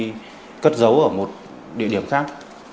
đem đi cất giấu ở một địa điểm khác